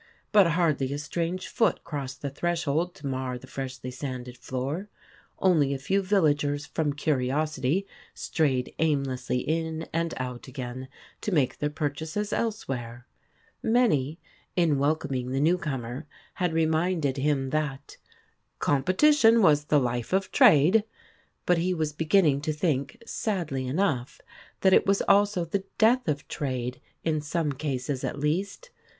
But hardly a strange foot crossed the threshold to mar the freshly sanded floor ; only a few villagers from curiosity strayed aimlessly in and out again, to make their purchases 10* 149 150 IMAGINOTIONS elsewhere. Many, in welcoming the new comer, had reminded him that "competition was the life of trade," but he was beginning to think, sadly enough, that it was also the death of trade, in some cases at least.